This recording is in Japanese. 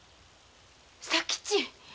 佐吉！